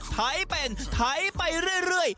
ไทบไปไทไปเรื่อย